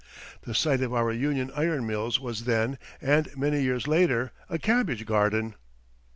The site of our Union Iron Mills was then, and many years later, a cabbage garden.